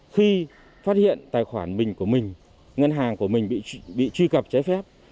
khi phát hiện tài khoản mình của mình ngân hàng của mình bị truy cập trái phép